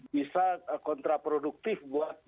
bisa kontraproduktif buat